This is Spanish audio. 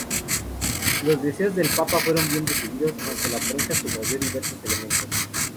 Los deseos del Papa fueron bien recibidos, aunque la prensa subrayó diversos elementos.